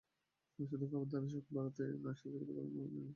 তাই শুধু খাবারদাবারের স্বাদ বাড়াতেই নয়, স্বাস্থ্যগত কারণেও নিয়মিত জিরা খান।